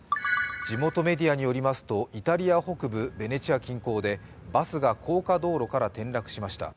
地元メディアによりますとイタリア北部ベネチア近郊でバスが高架道路から転落しました。